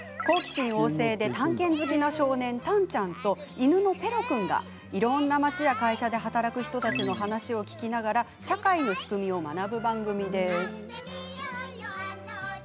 好奇心旺盛で探検好きな少年タンちゃんと犬のペロくんがいろいろな町や会社で働く人たちの話を聞きながら社会の仕組みを学ぶ番組です。